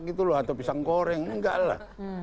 gitu loh atau pisang goreng enggak lah